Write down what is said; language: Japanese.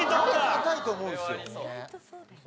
堅いと思うんですよ。